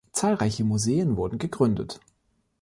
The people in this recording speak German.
Zahlreiche Museen wurden gegründet.